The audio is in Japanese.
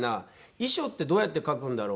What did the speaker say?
遺書ってどうやって書くんだろう。